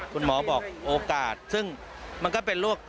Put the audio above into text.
คุณหมอบอกโอกาสซึ่งมันก็เป็นโรค